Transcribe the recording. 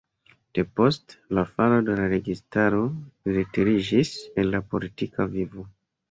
Depost la falo de la registaro li retiriĝis el la politika vivo.